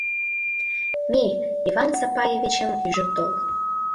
— Мий, Иван Сапаевичым ӱжын тол.